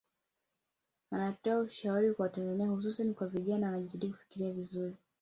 Anatoa ushauri kwa Watanzania hususani vijana wajitahidi kufikiri vizuri